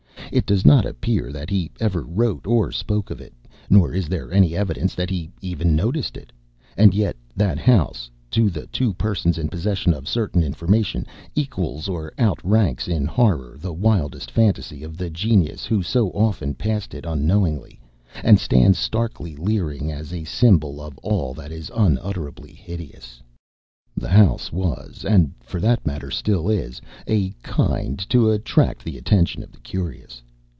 It does not appear that he ever wrote or spoke of it, nor is there any evidence that he even noticed it. And yet that house, to the two persons in possession of certain information, equals or outranks in horror the wildest fantasy of the genius who so often passed it unknowingly, and stands starkly leering as a symbol of all that is unutterably hideous. The house was and for that matter still is of a kind to attract the attention of the curious.